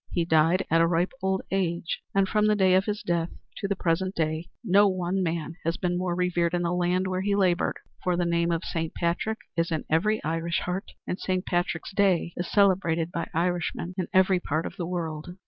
He died at a ripe old age and from the day of his death to the present one no man has been more revered in the land where he labored, for the name of Saint Patrick is in every Irish heart and Saint Patrick's Day is celebrated by Irishmen in every part of the world.